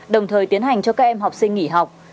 đồng thời tiến hành cho các em học sinh nghỉ học